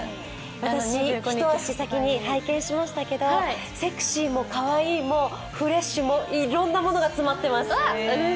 一足先に拝見しましたけれどもセクシーもかわいいもフレッシュも、いろんなものが詰まってます。